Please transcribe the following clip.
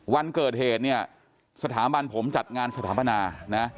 วันเกิดเหตุเนี่ยสถาบันผมจัดงานสถาปนานะ